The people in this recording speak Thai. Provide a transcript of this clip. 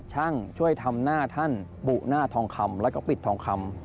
ช่วยทำหน้าท่านบุหน้าทองคำแล้วก็ปิดทองคำ